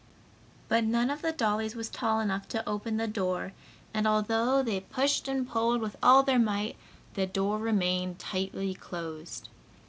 But none of the dollies was tall enough to open the door and, although they pushed and pulled with all their might, the door remained tightly closed.